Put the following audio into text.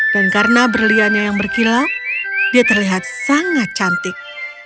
dan karena berliannya yang berkilau dia terlihat sangat cantik